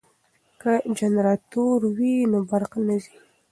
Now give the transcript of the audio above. که جنراتور وي نو برق نه ځي.